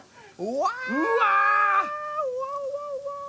うわうわうわ。